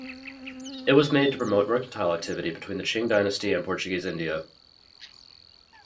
It was made to promote mercantile activity between the Qing Dynasty and Portuguese India.